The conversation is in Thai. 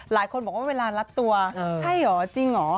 หลายคนบอกว่าเวลารัดตัวใช่เหรอจริงเหรอ